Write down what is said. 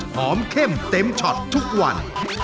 เข้มเต็มช็อตทุกวัน